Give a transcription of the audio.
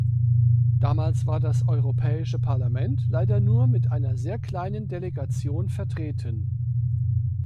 Damals war das Europäische Parlament leider nur mit einer sehr kleinen Delegation vertreten.